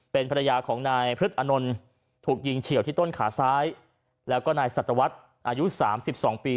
เป็นภรรยาของนายพฤษอนนท์ถูกยิงเฉียวที่ต้นขาซ้ายแล้วก็นายสัตวรรษอายุ๓๒ปี